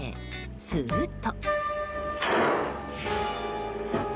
すると。